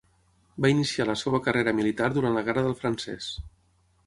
Va iniciar la seva carrera militar durant la Guerra del Francès.